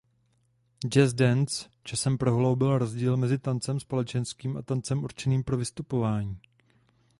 Jazz dance časem prohloubil rozdíl mezi tancem společenským a tancem určeným pro vystupování.